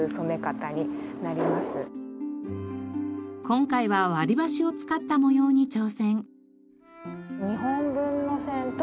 今回は割り箸を使った模様に挑戦。